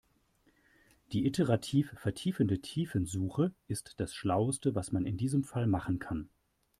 Die iterativ vertiefende Tiefensuche ist das schlauste, was man in diesem Fall machen kann.